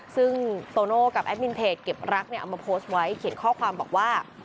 ซึ่งโตโน่กับแอดมินเพจเก็บรักเนี่ยเอามาโพสต์ไว้เขียนข้อความบอกว่า